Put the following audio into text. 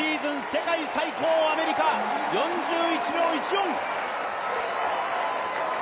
世界最高、アメリカ、４１秒１４。